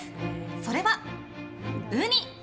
それはウニ！